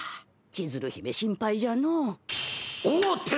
千鶴姫心配じゃのう。